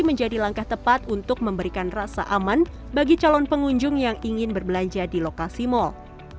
menjadi langkah tepat untuk memberikan rasa aman bagi calon pengunjung yang ingin berbelanja di lokasi mal